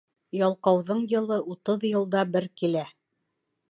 Ялҡауҙың йылы утыҙ йылда бер килә.